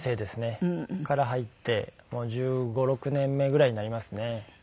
から入ってもう１５１６年目ぐらいになりますね。